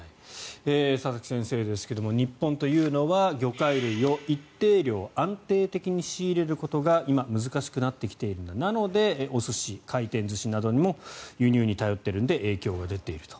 佐々木先生ですが日本というのは魚介類を一定量安定的に仕入れることが今、難しくなってきているんだなのでお寿司、回転寿司などにも輸入に頼っているので影響が出ていると。